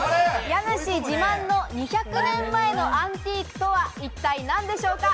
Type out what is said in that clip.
家主自慢の２００年前のアンティークとは一体何でしょうか？